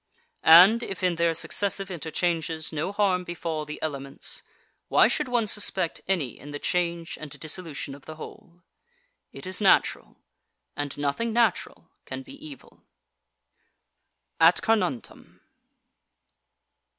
And, if in their successive interchanges no harm befall the elements, why should one suspect any in the change and dissolution of the whole? It is natural, and nothing natural can be evil. AT CARNUNTUM.